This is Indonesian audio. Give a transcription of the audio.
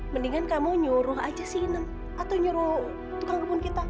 mendingan kamu nyuruh aja sih inem atau nyuruh tukang kebun kita